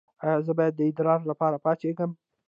ایا زه باید د ادرار لپاره پاڅیږم؟